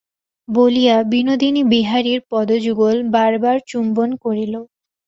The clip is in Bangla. বলিয়া বিনোদিনী বিহারীর পদযুগল বার বার চুম্বন করিল।